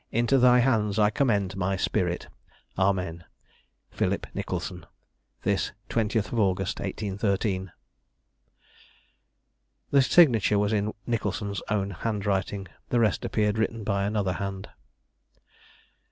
into thy hands I commend my spirit. Amen. "PHILIP NICHOLSON. "This 20th August, 1813." The signature was in Nicholson's own hand writing: the rest appeared written by another hand.